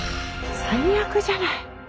最悪じゃない。